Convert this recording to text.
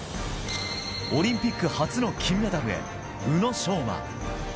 オリンピック初の金メダルへ、宇野昌磨。